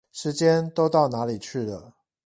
時間都到哪裡去了？